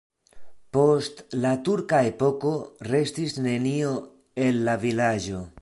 Post la turka epoko restis nenio el la vilaĝo.